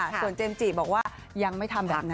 ส่วนเจมส์จิบอกว่ายังไม่ทำแบบนั้น